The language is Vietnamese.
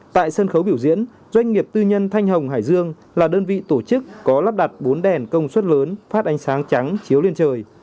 tại sân khấu biểu diễn doanh nghiệp tư nhân thanh hồng hải dương là đơn vị tổ chức có lắp đặt bốn đèn công suất lớn phát ánh sáng trắng chiếu lên trời